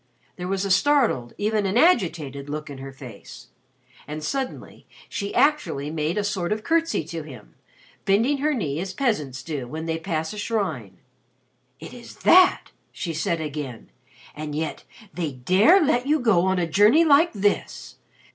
There was a startled, even an agitated, look in her face. And suddenly she actually made a sort of curtsey to him bending her knee as peasants do when they pass a shrine. "It is that!" she said again. "And yet they dare let you go on a journey like this!